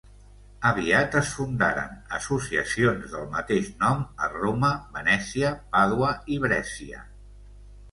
Aviat es fundaren associacions del mateix nom a Roma, Venècia, Pàdua i Brescia.